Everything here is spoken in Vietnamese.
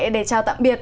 để chào tạm biệt